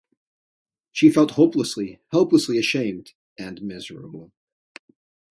She felt hopelessly, helplessly ashamed and miserable.